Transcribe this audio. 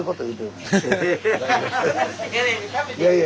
いやいや。